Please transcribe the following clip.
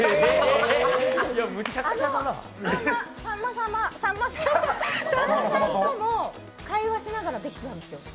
あのさんまさんとも会話しながらできてたんですよ。